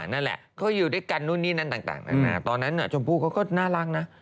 นั่นแหละเขาอยู่ด้วยกันนู่นนี่นั่นต่างนานาตอนนั้นชมพู่เขาก็น่ารักนะ